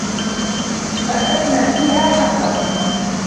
فَأَنبَتنا فيها حَبًّا